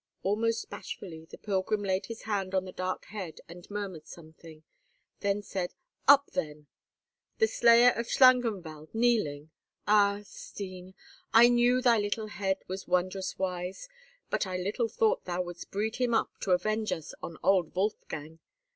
Almost bashfully the pilgrim laid his hand on the dark head, and murmured something; then said, "Up, then! The slayer of Schlangenwald kneeling! Ah! Stine, I knew thy little head was wondrous wise, but I little thought thou wouldst breed him up to avenge us on old Wolfgang!